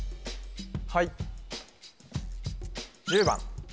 はい